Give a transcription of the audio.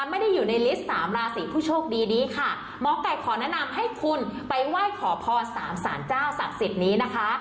ไม่ได้อยู่ในลิสต์สามราศีผู้โชคดีนี้ค่ะหมอไก่ขอแนะนำให้คุณไปไหว้ขอพรสามสารเจ้าศักดิ์สิทธิ์นี้นะคะ